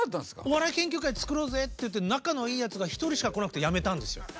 「お笑い研究会作ろうぜ」って言って仲のいいやつが１人しか来なくてやめたんですよ。